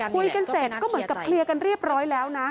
คุยกันเสร็จก็เหมือนกับเคลียร์กันเรียบร้อยแล้วนะ